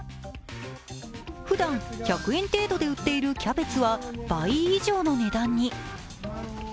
ふだん、１００円程度で売っているキャベツは倍以上の値段に。